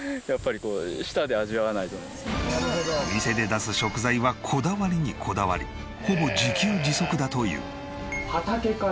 店で出す食材はこだわりにこだわりほぼ自給自足だという。